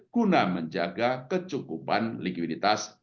guna menjaga kecukupan likuiditas